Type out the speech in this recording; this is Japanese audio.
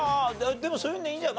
でもそういうのでいいんじゃ。